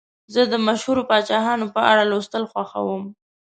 زه د مشهورو پاچاهانو په اړه لوستل خوښوم.